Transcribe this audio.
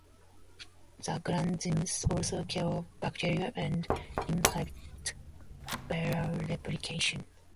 The granzymes also kill bacteria and inhibit viral replication.